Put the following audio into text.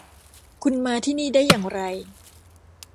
คุณมาที่นี่ได้อย่างไร